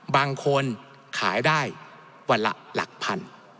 บางคนขายได้วันละหลักพัน